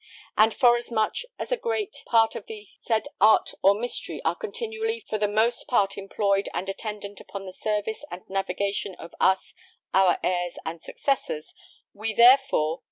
And forasmuch as a great part of the said art or mystery are continually for the most part employed and attendant upon the service and navigation of us our heirs and successors, we therefore